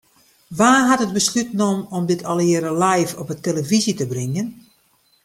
Wa hat it beslút nommen om dit allegearre live op 'e telefyzje te bringen?